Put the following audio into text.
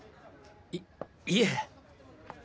いいえ。